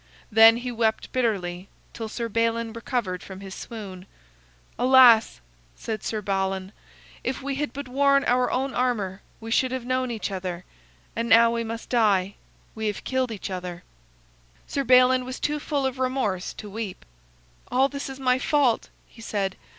Then he wept bitterly till Sir Balin recovered from his swoon. "Alas!" said Sir Balan, "if we had but worn our own armor we should have known each other. And now we must die; we have killed each other." [Illustration: "They fought till their breath failed"] Sir Balin was too full of remorse to weep. "All this is my fault," he said.